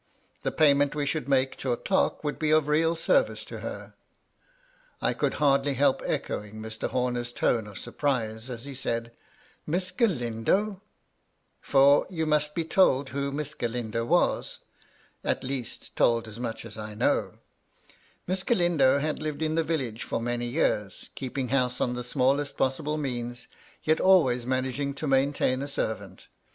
The pay ment we should make to a clerk would be of real service to her !" I could hardly help echoing Mr. Homer's tone of surprise as he said — "MissGalmdo!" For, you must be told who Miss Galindo was ; at 204 MY LADY LUDLOW. leasts told us much as I know. Miss Galindo had lived in the village for many years, keeping house on the smallest possible means, yet always managing to maintain a servant.